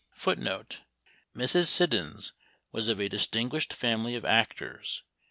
Mrs. Siddons was of a distinguished family of actors.